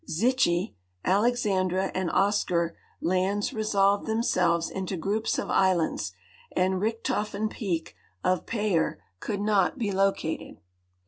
Zichy, Alexandra, and Oscar lands resolve themselves into groujis of islands, and Richthofen peak, of Payer, could not be located.